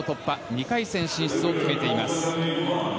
２回戦進出を決めています。